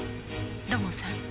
土門さん